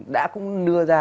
đã cũng đưa ra